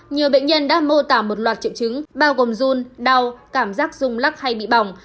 nhiều bệnh nhân đã mô tả một loạt triệu chứng bao gồm run đau cảm giác rung lắc hay bị bỏng